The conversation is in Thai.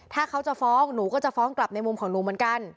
ถ้าเขาจะฟ้องหนูก็จะฟ้องกลับในมุมของหนูเหมือนกัน